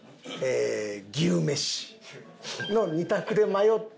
牛めしの２択で迷って。